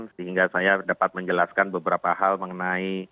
sehingga saya dapat menjelaskan beberapa hal mengenai